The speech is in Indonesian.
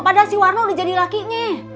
padahal si warna udah jadi lakinya